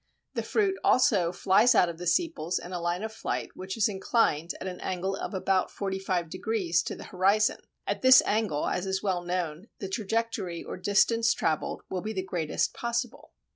The fruit also flies out of the sepals in a line of flight which is inclined at an angle of about forty five degrees to the horizon; at this angle, as is well known, the trajectory or distance travelled will be the greatest possible.